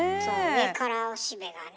上からおしべがね。